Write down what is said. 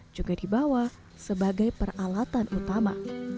juga dibawa sebagai peralatan utama